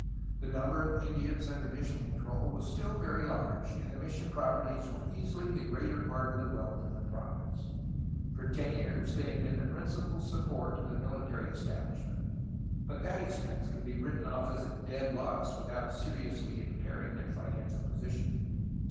The number of Indians under UNDER MEXICAN GOVERNORS, 1822 1835 467 mission control was still very large, and the mission proper ties were easily the greater part of the wealth of the province. For ten years they had been the principal support of the militaiy establishment, but that expense could be written off as a dead loss without seriously impairing their financial position.